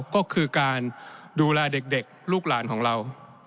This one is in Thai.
ก็คือการดูแลเด็กลูกหลานของเรา